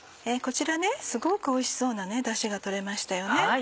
こちらすごくおいしそうなダシが取れましたよね。